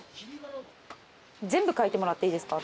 全部かいてもらっていいですか？